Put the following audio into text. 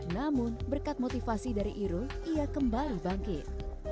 namun berkat motivasi dari irul ia kembali bangkit